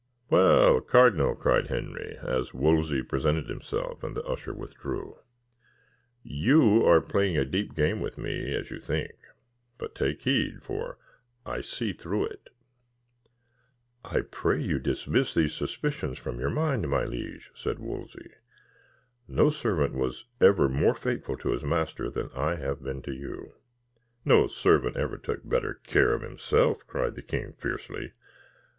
"Well, cardinal," cried Henry, as Wolsey presented himself, and the usher withdrew. "You are playing a deep game with me, as you think; but take heed, for I see through it." "I pray you dismiss these suspicions from your mind, my liege," said Wolsey. "No servant was ever more faithful to his master than I have been to you." "No servant ever took better care of himself," cried the king fiercely.